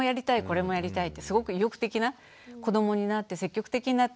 これもやりたいってすごく意欲的な子どもになって積極的になっていく子も出てくるし